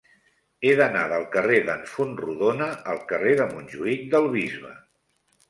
He d'anar del carrer d'en Fontrodona al carrer de Montjuïc del Bisbe.